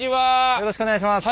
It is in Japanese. よろしくお願いします。